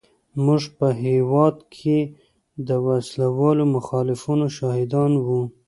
موږ په هېواد کې د وسله والو مخالفینو شاهدان وو.